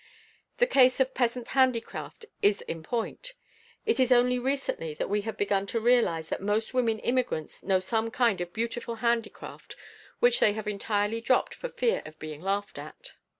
The case of peasant handicraft is in point. It is only recently that we have begun to realize that most women immigrants know some kind of beautiful handicraft which they have entirely dropped for fear of being laughed at.